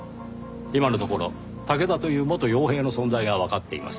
今のところ武田という元傭兵の存在がわかっています。